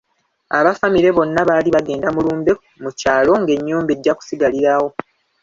Aba famire bonna baali bagenda mu lumbe mu kyalo nga ennyumba ejja kusigalirawo.